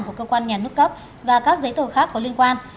của cơ quan nhà nước cấp và các giấy tờ khác có liên quan